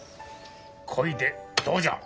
こいでどうじゃ。